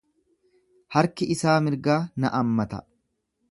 Harki isaa mirgaa na ammata.